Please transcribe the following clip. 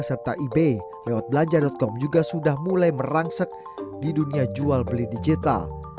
pemain pemain dunia seperti alip steper di petang penjualan pemain juga sudah mulai merangsek di dunia jual beli digital